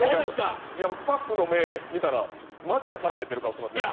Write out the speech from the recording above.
スタッフの目見たら、マジで腹減ってる顔してますね。